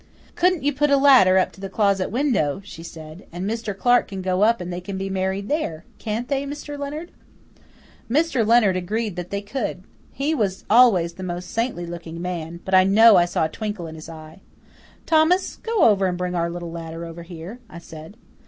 "Couldn't you put a ladder up to the closet window," she said, "And Mr. Clark can go up it and they can be married there. Can't they, Mr. Leonard?" Mr. Leonard agreed that they could. He was always the most saintly looking man, but I know I saw a twinkle in his eye. "Thomas, go over and bring our little ladder over here," I said.